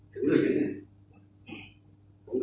ถึงเรื่องยังไง